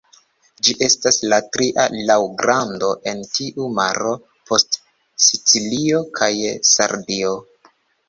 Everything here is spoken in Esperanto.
Ĝi estas la tria laŭ grando en tiu maro post Sicilio kaj Sardio.